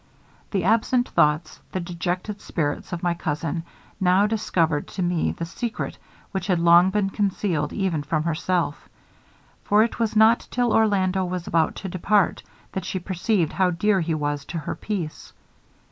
The absent thoughts, and dejected spirits of my cousin, now discovered to me the secret which had long been concealed even from herself; for it was not till Orlando was about to depart, that she perceived how dear he was to her peace.